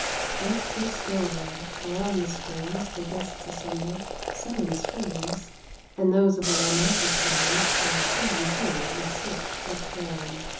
Breakfast over, 'round the springs The guests assemble some in swings And those of a romantic turn Stroll two and two in search of fern.